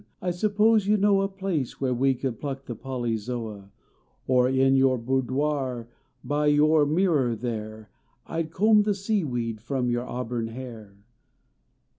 I suppose you know a Place where we could pluck the poly/.oa, Or in your boudoir by your mirror there I d comb the sea weed from your auburn hair.